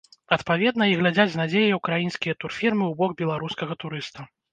Адпаведна, і глядзяць з надзеяй украінскія турфірмы ў бок беларускага турыста.